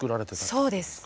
そうです。